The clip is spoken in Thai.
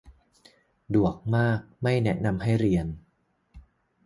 ดวกมาก ไม่แนะนำให้เรียน